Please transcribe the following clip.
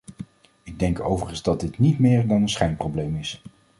Ik denk overigens dat dit niet meer dan een schijnprobleem is.